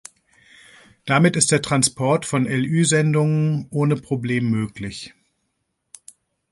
Damit ist der Transport von LÜ-Sendungen ohne Problem möglich.